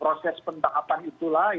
proses bentahapan itulah